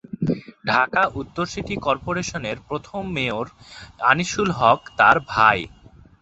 ঢাকা উত্তর সিটি কর্পোরেশনের প্রথম মেয়র আনিসুল হক তার ভাই।